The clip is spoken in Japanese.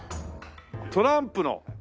トランプの。